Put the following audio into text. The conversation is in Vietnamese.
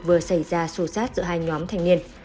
vừa xảy ra xô xát giữa hai nhóm thanh niên